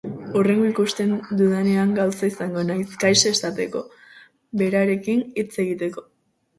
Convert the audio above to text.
Hurrengo ikusten dudanean, gauza izango naiz kaixo esateko, berarekin hitz egiteko.